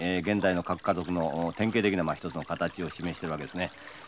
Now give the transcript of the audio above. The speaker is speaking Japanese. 現在の核家族の典型的な一つの形を示してるわけですね。